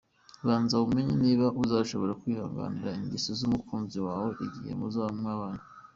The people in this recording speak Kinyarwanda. Banza umenye niba uzashobora kwihanganira ingeso z’umukunzi wawe igihe muzaba mwabanye.